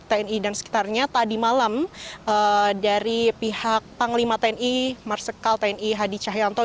tni dan sekitarnya tadi malam dari pihak panglima tni marsikal tni hadi cahyanto